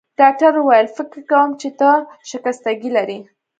ډاکټر وویل: فکر کوم چي ته شکستګي لرې.